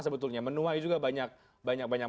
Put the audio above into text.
sebetulnya menuai juga banyak